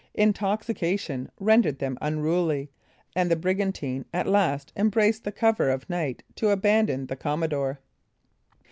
Intoxication rendered them unruly, and the brigantine at last embraced the cover of night to abandon the commodore.